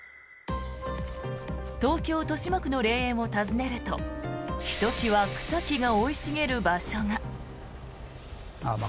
東京・豊島区の霊園を訪ねるとひときわ草木が生い茂る場所が。